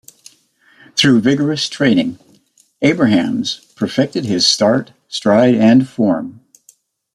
Through vigorous training, Abrahams perfected his start, stride and form.